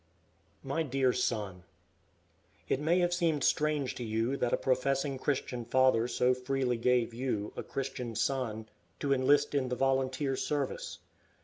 MY DEAR SON, It may have seemed strange to you that a professing Christian father so freely gave you, a Christian son, to enlist in the volunteer service.